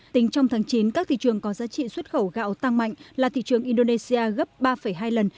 tính trong tháng chín các thị trường có giá trị xuất khẩu gạo tăng mạnh là thị trường indonesia gấp ba hai lần